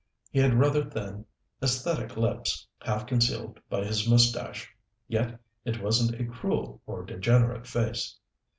He had rather thin, esthetic lips, half concealed by his mustache. Yet it wasn't a cruel or degenerate face.